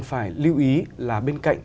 phải lưu ý là bên cạnh